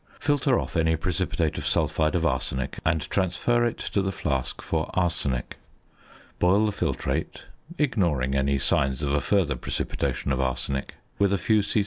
Filter off any precipitate of sulphide of arsenic, and transfer it to the flask for "arsenic." Boil the filtrate (ignoring any signs of a further precipitation of arsenic) with a few c.c.